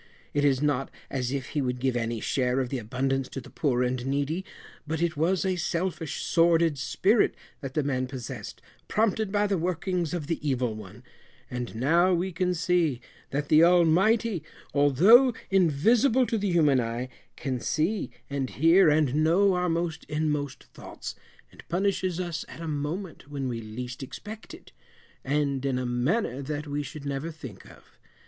It is not as if he would give any share of the abundance to the poor and needy, but it was a selfish sordid spirit that the man possessed, prompted by the workings of the evil one; and, now we can see, that the Almighty, although invisible to the human eye can see and hear, and know our most inmost thoughts, and punishes us at a moment when we least expect it, and in a manner that we should never think of.